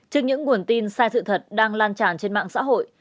trước những nguồn tin sai sự thật đang lan tràn trên mạng xã hội